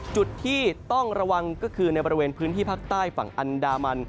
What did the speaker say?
จุดที่ต้องระวังก็คือในบริเวณพื้นที่ภาคใต้ฝั่งอันดามัน